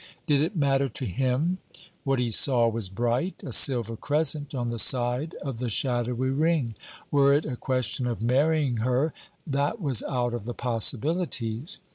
Did it matter to him? What he saw was bright, a silver crescent on the side of the shadowy ring. Were it a question of marrying her! That was out of the possibilities.